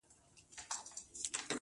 هم دغسې پخوا ومه دا اوس چې څنګه یمه